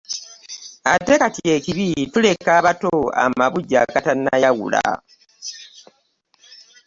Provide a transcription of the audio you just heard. Ate kati ekibi tureka bato amabujeagatanayawula ..